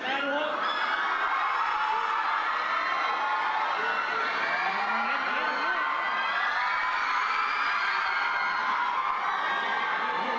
สวัสดีครับ